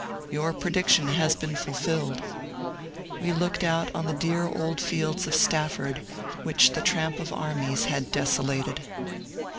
Your prediction has been fulfilled.'' We looked out on the dear old fields of Stafford which the tramp of armies had desolated.